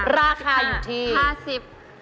ราคาอยู่ที่